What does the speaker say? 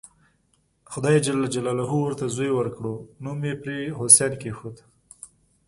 خدای ج ورته زوی ورکړ نوم یې پرې حسین کېښود.